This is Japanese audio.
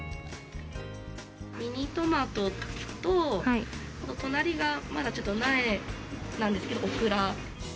ミニトマトと、隣がまだちょっと苗なんですけど、オクラ。